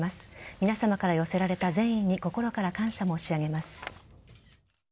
皆さまから寄せられた善意に心から感謝申し上げます。